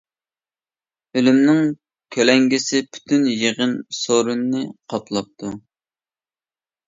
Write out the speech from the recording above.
ئۆلۈمنىڭ كۆلەڭگىسى پۈتۈن يىغىن سورۇننى قاپلاپتۇ.